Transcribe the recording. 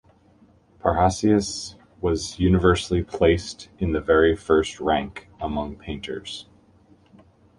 Parrhasius was universally placed in the very first rank among painters.